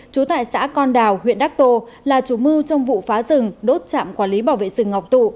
trú tại xã con đào huyện đắc tô là chủ mưu trong vụ phá rừng đốt trạm quản lý bảo vệ rừng ngọc tụ